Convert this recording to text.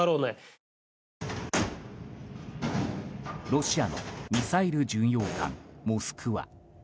ロシアのミサイル巡洋艦「モスクワ」